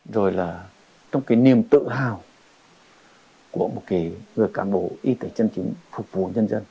rồi là trong cái niềm tự hào của một cái người cán bộ y tế chân chính phục vụ nhân dân